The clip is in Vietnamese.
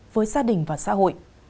với gia đình và xã hội